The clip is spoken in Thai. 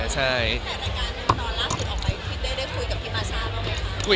ใช่